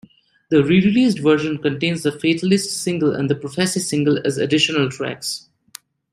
The rereleased version contains the Fatalist single and the Prophecy single as additional tracks.